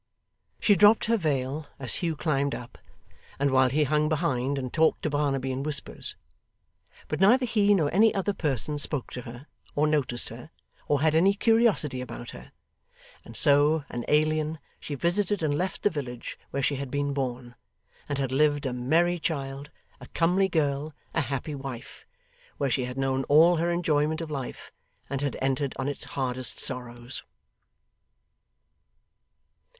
She dropped her veil as Hugh climbed up, and while he hung behind, and talked to Barnaby in whispers. But neither he nor any other person spoke to her, or noticed her, or had any curiosity about her; and so, an alien, she visited and left the village where she had been born, and had lived a merry child, a comely girl, a happy wife where she had known all her enjoyment of life, and had entered on its hardest sorrows.